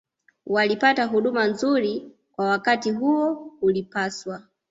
walipata huduma nzuri Kwa wakati huo ulipaswa